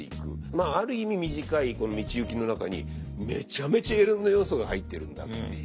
まあある意味短い道行きの中にめちゃめちゃいろんな要素が入ってるんだっていう。